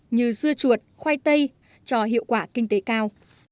như dưa chuột khoai tây cho hiệu quả kinh tế cao